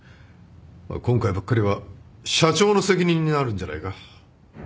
今回ばっかりは社長の責任になるんじゃないか？